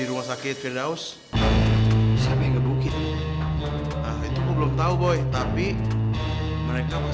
udah malam juga kok